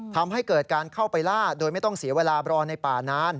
ทำให้เกิดการเข้าไปล่าโดยไม่ต้องเสียเวลารอในป่านาน